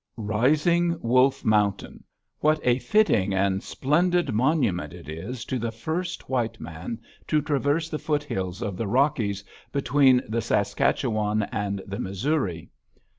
Rising Wolf Mountain! What a fitting and splendid monument it is to the first white man to traverse the foothills of the Rockies between the Saskatchewan and the Missouri!